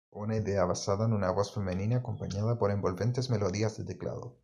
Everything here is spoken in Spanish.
Una idea basada en una voz femenina acompañada por envolventes melodías de teclado.